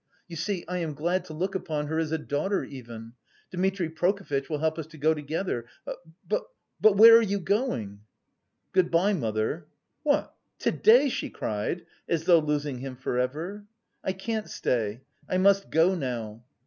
You see, I am glad to look upon her as a daughter even... Dmitri Prokofitch will help us to go together. But... where... are you going?" "Good bye, mother." "What, to day?" she cried, as though losing him for ever. "I can't stay, I must go now...."